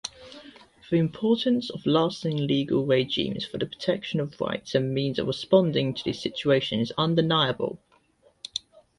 The importance of lasting legal regimes for the protection of rights and means of responding to the situation is undeniable.